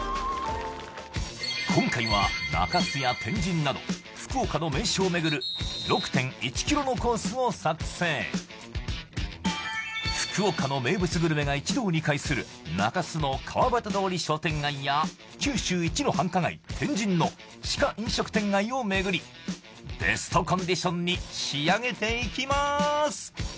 今回は中洲や天神など福岡の名所を巡るのコースを作成福岡の名物グルメが一堂に会する中洲の川端通商店街や九州一の繁華街天神の地下飲食店街を巡りベストコンディションに仕上げていきます